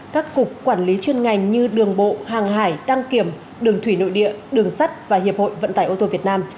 các cục quản lý chuyên ngành như đường bộ hàng hải đăng kiểm đường thủy nội địa đường sắt và hiệp hội vận tải ô tô việt nam